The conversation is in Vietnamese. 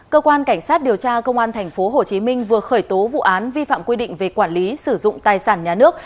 cơ quan cảnh sát điều tra công an tp hcm vừa khởi tố vụ án vi phạm quy định về quản lý sử dụng tài sản nhà nước